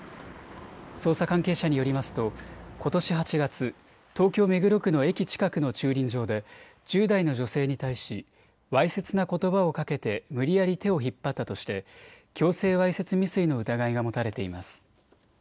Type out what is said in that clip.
捜査関係者によりますとことし８月、東京目黒区の駅近くの駐輪場で１０代の女性に対しわいせつなことばをかけて無理やり手を引っ張ったとして強制わいせつ未遂の疑いが持たれています。